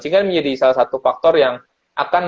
sehingga menjadi salah satu faktor yang akan